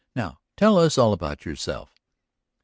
Now, tell us all about yourself."